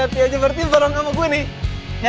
hati hati aja berarti berantem sama gue nih